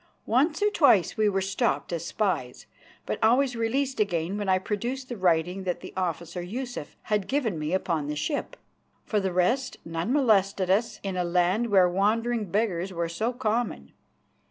Once or twice we were stopped as spies, but always released again when I produced the writing that the officer Yusuf had given me upon the ship. For the rest, none molested us in a land where wandering beggars were so common.